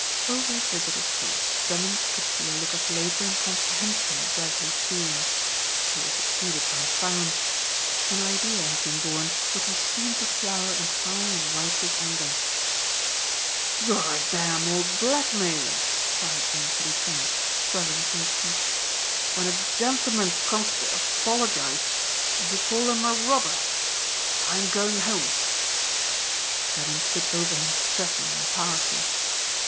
Over his visitor's face Drummond could see a look of laboring comprehension gradually stealing. It was succeeded by a frown. An idea had been born which was soon to flower in high and righteous anger. "You're a damned old blackmailer!" cried Anthony Trent, struggling to his feet. "When a gentleman comes to apologize you call him a robber. I'm going home." Drummond stood over him threatening and powerful.